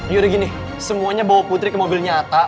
yuri gini semuanya bawa putri ke mobil nyata